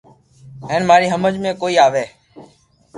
ھين ماري ھمج ۾ ڪوئي آوي